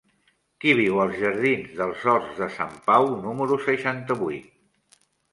Qui viu als jardins dels Horts de Sant Pau número seixanta-vuit?